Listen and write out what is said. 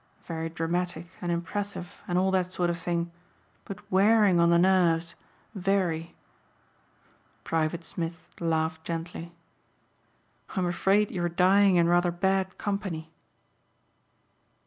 Very dramatic and impressive and all that sort of thing, but wearing on the nerves very." Private Smith laughed gently, "I'm afraid you are dying in rather bad company."